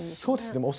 そうですね